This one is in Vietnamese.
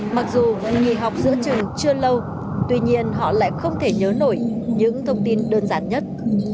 mặc dù nghỉ học giữa trường chưa lâu tuy nhiên họ lại không thể nhớ nổi những thông tin đơn giản nhất